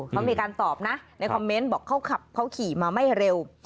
เขามีการตอบนะในคอมเมนต์บอกเขาขับเขาขี่มาไม่เร็ว